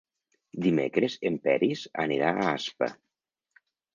Dimecres en Peris anirà a Aspa.